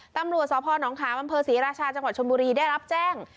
ตำรวจสพนขามอำเภอศรีราชาจังหวัดชนบุรีได้รับแจ้ง